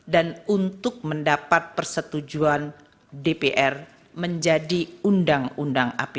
dan untuk mendapat persetujuan dpr menjadi undang undang apbn